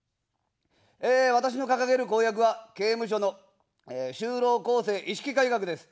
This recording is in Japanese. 私の掲げる公約は、刑務所の就労更生意識改革です。